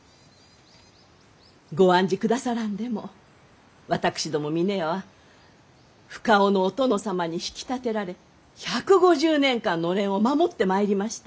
ご案じくださらんでも私ども峰屋は深尾のお殿様に引き立てられ１５０年間のれんを守ってまいりました。